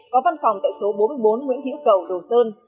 có văn phòng tại số bốn mươi bốn nguyễn hữu cầu đồ sơn